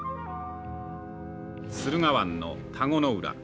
「駿河湾の田子ノ浦。